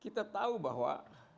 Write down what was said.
kita tahu bahwa